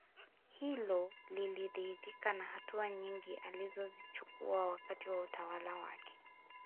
Hilo lilidhihirika na hatua nyingi alizozichukua wakati wa utawala wake